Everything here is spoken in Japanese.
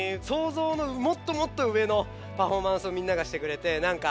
想像のもっともっと上のパフォーマンスをみんながしてくれて。